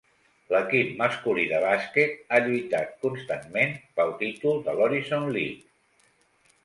L'equip masculí de bàsquet ha lluitat constantment pel títol de l'Horizon League.